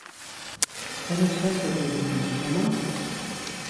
Tenê şensekê bide min, temam?